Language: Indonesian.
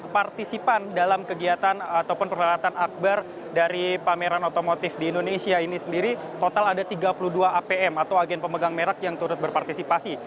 partisipan dalam kegiatan ataupun perkhidmatan akbar dari pameran otomotif di indonesia ini sendiri total ada tiga puluh dua apm atau agen pemegang merek yang turut berpartisipasi